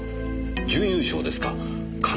準優勝ですか。